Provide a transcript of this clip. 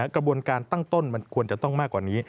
กระบวนการตั้งต้นมันควรจะต้องมากกว่านี้